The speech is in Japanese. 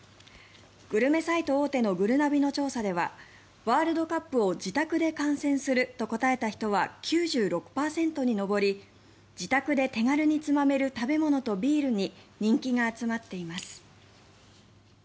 グルメサイト大手のぐるなびの調査ではワールドカップを自宅で観戦すると答えた人は９６％に上り自宅で手軽につまめる食べ物とビールに人気が集まっています。